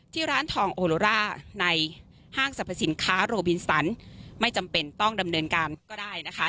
ร้านทองโอโลร่าในห้างสรรพสินค้าโรบินสันไม่จำเป็นต้องดำเนินการก็ได้นะคะ